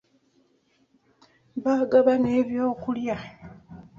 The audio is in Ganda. Baagaba n'ebyokulya.